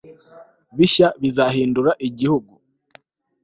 bishya bizahindura igihugu